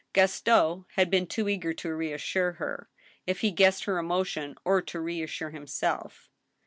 Gaston had been too eager to reassure her, if he guessed her emotion, or to reassure himself.